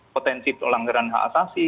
potensi pelanggaran hak asasi